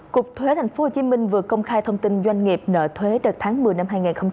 cục thuế tp hcm vừa công khai thông tin doanh nghiệp nợ thuế đợt tháng một mươi năm hai nghìn hai mươi ba